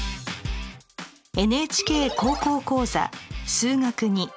「ＮＨＫ高校講座数学Ⅱ」。